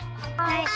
はい！